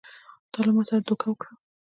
تا له ما سره دوکه وکړه!